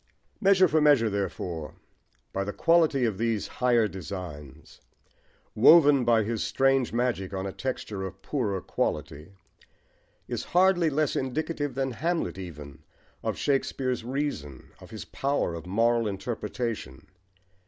Measure for Measure, therefore, by the quality of these higher designs, woven by his strange magic on a texture of poorer quality, is hardly less indicative than Hamlet even, of Shakespeare's reason, of his power of moral interpretation.